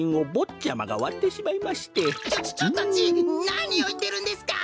ちょちょっとじいなにをいってるんですか！？